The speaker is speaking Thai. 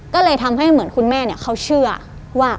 ก็เลยทำให้เหมือนคุณแม่เขาเชื่อว่า